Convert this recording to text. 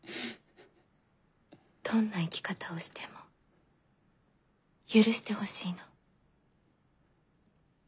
どんな生き方をしても許してほしいの。